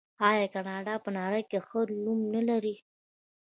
آیا کاناډا په نړۍ کې ښه نوم نلري؟